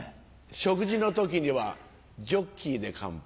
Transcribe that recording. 食事の時にはジョッキーで乾杯。